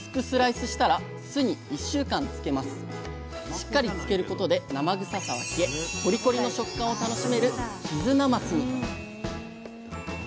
しっかり漬けることで生臭さは消えコリコリの食感を楽しめる氷頭なますに！